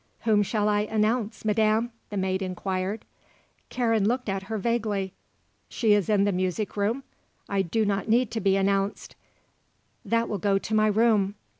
"Whom shall I announce, Madam?" the maid inquired. Karen looked at her vaguely. "She is in the music room? I do not need to be announced. That will go to my room."